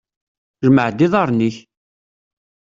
Jmeε-d iḍarren-ik!